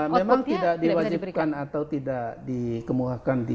memang tidak diwajibkan atau tidak dikemulakan